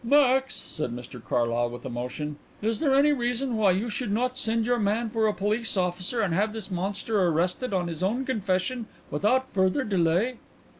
"Max," said Mr Carlyle, with emotion, "is there any reason why you should not send your man for a police officer and have this monster arrested on his own confession without further delay?"